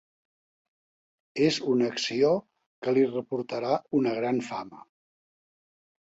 És una acció que li reportarà una gran fama.